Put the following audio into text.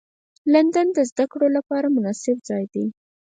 لندن د زدهکړو لپاره مناسب ځای دی